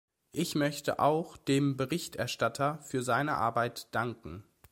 Ich möchte auch dem Berichterstatter für seine Arbeit danken.